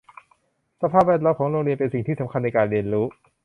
สภาพแวดล้อมของโรงเรียนเป็นสิ่งที่สำคัญในการเรียนรู้